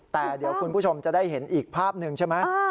แต่เดี๋ยวคุณผู้ชมจะได้เห็นอีกภาพหนึ่งใช่ไหม